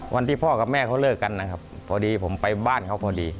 วันที่พ่อกับแม่เขาเลิกกันนะครับพอดีผมไปบ้านเขาพอดี